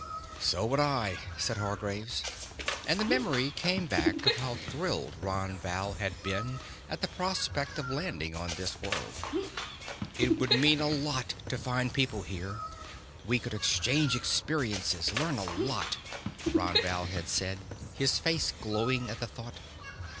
"So would I," said Hargraves. And the memory came back of how thrilled Ron Val had been at the prospect of landing on this, world. "It would mean a lot to find people here. We could exchange experiences, learn a lot," Ron Val had said, his face glowing at the thought.